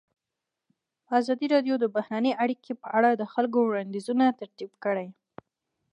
ازادي راډیو د بهرنۍ اړیکې په اړه د خلکو وړاندیزونه ترتیب کړي.